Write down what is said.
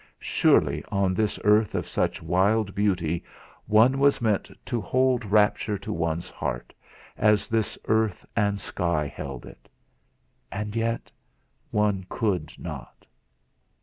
Surely, on this earth of such wild beauty, one was meant to hold rapture to one's heart, as this earth and sky held it! And yet, one could not!